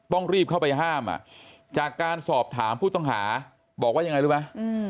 ต้องรีบเข้าไปห้ามจากการสอบถามผู้ต้องหาบอกว่ายังไงรู้ไหม